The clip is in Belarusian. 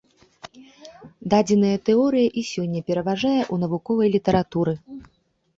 Дадзеная тэорыя і сёння пераважае ў навуковай літаратуры.